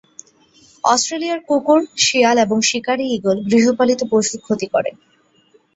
অস্ট্রেলিয়ায় কুকুর, শিয়াল এবং শিকারি ঈগল গৃহপালিত পশুর ক্ষতি করে।